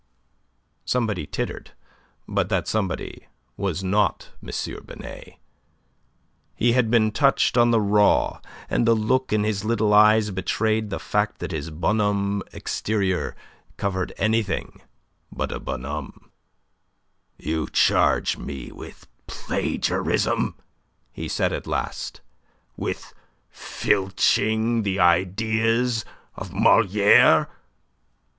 Somebody tittered, but that somebody was not M. Binet. He had been touched on the raw, and the look in his little eyes betrayed the fact that his bonhomme exterior covered anything but a bonhomme. "You charge me with plagiarism," he said at last; "with filching the ideas of Moliere."